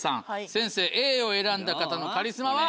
先生Ａを選んだ方のカリスマは？